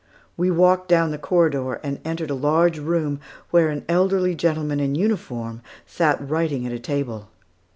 We walked down the corridor and entered a large room, where an elderly gentleman in uniform sat writing at a table.